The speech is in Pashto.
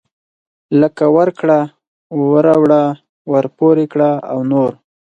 لکه ورکړه وروړه ورپورې کړه او نور.